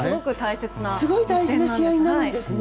すごい大事な試合なんですね。